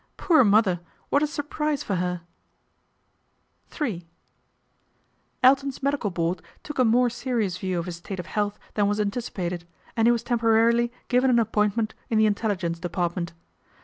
Poor Mother what a surprise for her !" ill Elton's medical board took a more serious view of his state of health than was anticipated, and he was temporarily given an appointment in the In telligence Department.